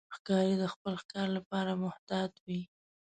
ښکاري د خپل ښکار لپاره محتاط وي.